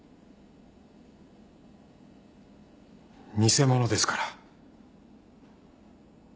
偽者ですから。